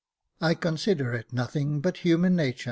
I consider it's nothing but human natur.